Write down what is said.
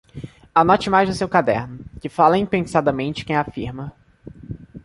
Anote mais no seu caderno: que fala impensadamente quem afirma